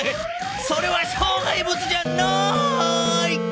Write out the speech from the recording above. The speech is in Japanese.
それはしょう害物じゃない！